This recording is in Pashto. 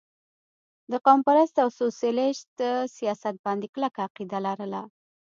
د قوم پرست او سوشلسټ سياست باندې کلکه عقيده لرله